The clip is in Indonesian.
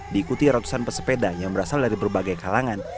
diikuti ratusan pesepeda yang berasal dari berbagai kalangan